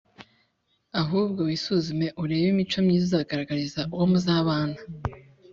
ahubwo wisuzume urebe imico myiza uzagaragariza uwo muzabana